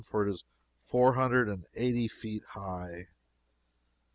For it is four hundred and eighty feet high.